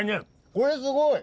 これすごい。